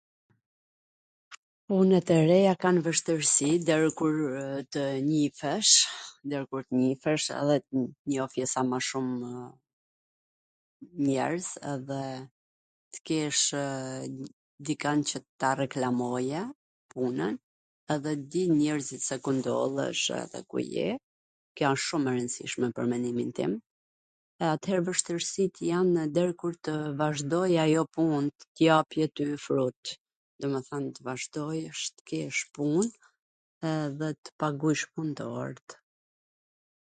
Punwt e reja kan vwshtwrsi der kur tw njifesh, der kur t njifesh, dhe njofje sa ma shumw njerz, edhe t kesh dikwn qw ta reklamojw punwn dhe tw din njerzit se ku ndodhesh dhe ku je, kjo wsht shum e rwndsishme pwr mendimin tim, e atwher vwshtwrsit janw deri kur tw vazhdoj ajo pun, qw tw t japi ty frut, do me thwn tw vazhdosh tw kesh pun edhe t pagush puntort.